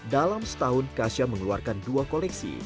dalam setahun kasya mengeluarkan dua koleksi